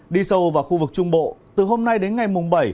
đi sâu vào khu vực trung bộ từ hôm nay đến ngày mùng bảy